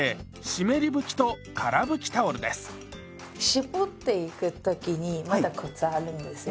絞っていく時にまたコツあるんですよ。